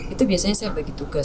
itu biasanya saya bagi tugas